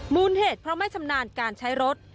เหตุเพราะไม่ชำนาญการใช้รถ